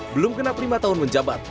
belum genap lima tahun menjabat